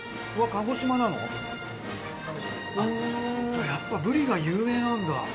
・鹿児島・やっぱブリが有名なんだ。